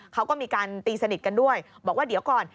เขาก็มีการตีสนิทกันด้วยบอกว่าเดี๋ยวก่อน